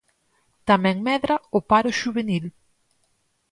Tamén medra o paro xuvenil.